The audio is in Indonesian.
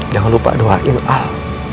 jangan lupa doain al